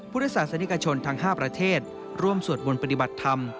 พุทธศาสนิกชนทั้ง๕ประเทศร่วมสวดมนต์ปฏิบัติธรรม